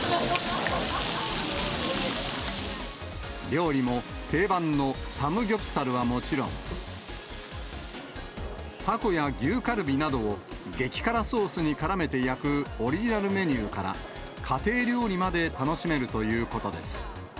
料理も、定番のサムギョプサルはもちろん、たこや牛カルビなどを激辛ソースにからめて焼くオリジナルメニューから、家庭料理まで楽しめるということです。